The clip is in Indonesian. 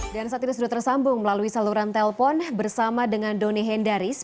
dan saat ini sudah tersambung melalui saluran telpon bersama dengan doni hendaris